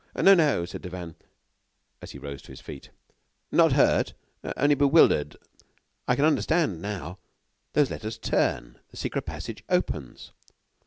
"No, no," said Devanne, as he rose to his feet, "not hurt, only bewildered. I can't understand now.... those letters turn.... the secret passage opens...."